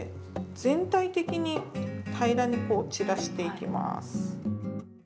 全体的に平らに散らしていきます。